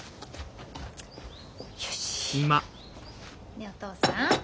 ねお父さん